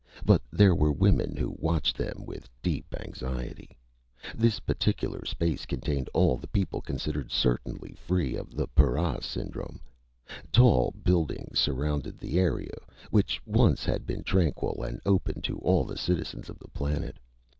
But there were women who watched them with deep anxiety. This particular space contained all the people considered certainly free of the para syndrome. Tall building surrounded the area which once had been tranquil and open to all the citizens of the planet.